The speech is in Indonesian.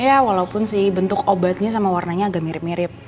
iya walaupun sih bentuk obatnya sama warnanya agak mirip mirip